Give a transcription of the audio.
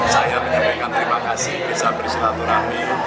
saya menyampaikan terima kasih bisa bersilaturahmi